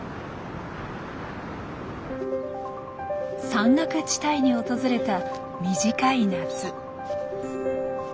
山岳地帯に訪れた短い夏。